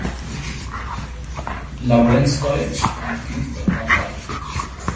Lawrence College en Kingston, Ontario.